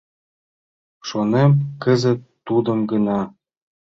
Шонем кызыт тудым гына.